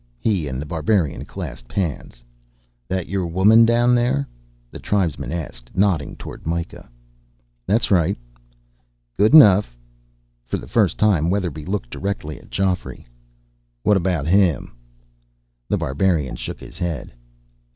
He and The Barbarian clasped hands. "That your woman down there?" the tribesman asked, nodding toward Myka. "That's right." "Good enough." For the first time, Weatherby looked directly at Geoffrey. "What about him?" The Barbarian shook his head.